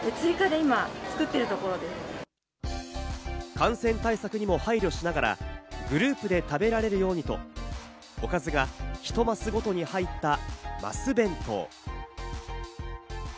感染対策にも配慮しながら、グループで食べられるようにと、おかずが、ひと升ごとに入った升弁当。